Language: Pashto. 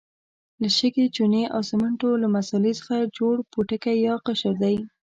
له شګې، چونې او سمنټو له مسالې څخه جوړ پوټکی یا قشر دی.